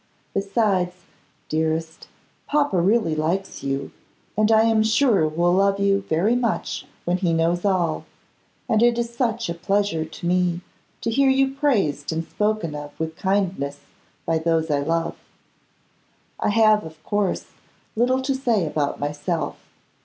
Besides, dearest, papa really likes you, and I am sure will love you very much when he knows all, and it is such a pleasure to me to hear you praised and spoken of with kindness by those I love. I have, of course, little to say about myself.